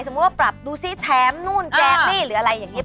สมมุติว่าปรับดูซี่แท้มนู่นแจ๊กนี่หรืออะไรอย่างนี้